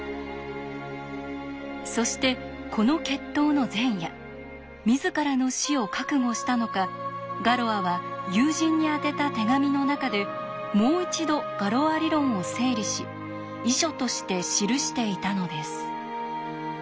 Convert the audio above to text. そしてこの決闘の前夜自らの死を覚悟したのかガロアは友人に宛てた手紙の中でもう一度ガロア理論を整理し遺書として記していたのです。